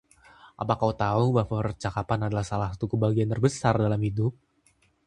Apa kau tahu bahwa percakapan adalah salah satu kebahagiaan terbesar dalam hidup?